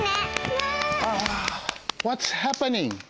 ねえ！